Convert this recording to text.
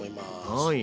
はい。